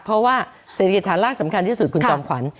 เพราะว่าเศรษฐกิจฐานรากสำคัญที่สุดคุณจอมขวัญ